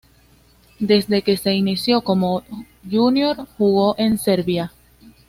Desde que se inició como junior jugó en Serbia.